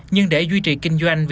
nhưng để duy trì kinh doanh